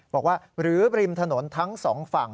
บอกว่าหรือริมถนนทั้งสองฝั่ง